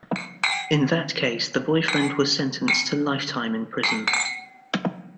In that case the boyfriend was sentenced to lifetime in prison.